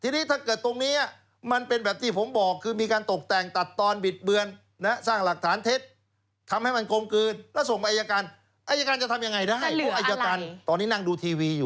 นั่นแหละสิคือทุกคนเป็นตำรวจหมดเลย